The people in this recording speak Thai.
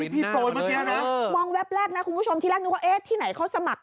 ตอนแรกมองแวบแรกนะคุณผู้ชมที่แรกนึกว่าเอ๊ะที่ไหนเขาสมัคร